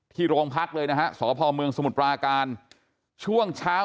ที่โรงพักษณ์เลยนะฮะสพคม่วงสมุชปารการช่วงเช้า